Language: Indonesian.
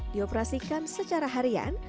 dioperasikan secara harian